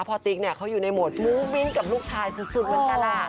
พอติ๊กเขาอยู่ในโหมดมุ่งบิ้งกับลูกชายสุดแล้วก็ล่ะ